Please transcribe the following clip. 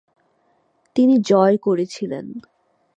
তিনি জয় করেছিলেন।